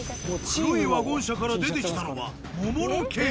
黒いワゴン車から出てきたのは。